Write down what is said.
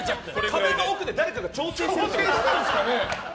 壁の奥で誰かが調整してるんじゃない？